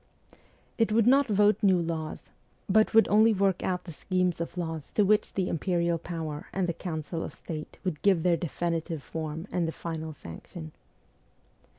It would not vote new laws, but would only work out the schemes of laws to which the imperial power and the Council of State would give their definitive form and the final sanction.